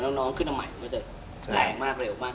แรงมากเร็วมาก